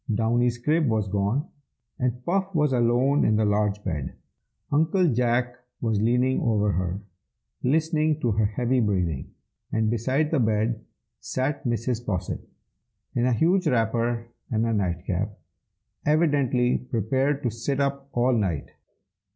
Downy's crib was gone, and Puff was alone in the large bed. Uncle Jack was leaning over her, listening to her heavy breathing, and beside the bed sat Mrs. Posset, in a huge wrapper and a night cap, evidently prepared to sit up all night.